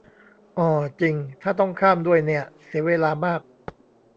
อ่อจริง ถ้าต้องข้าม ด้วยเนี่ย เสียเวลามาก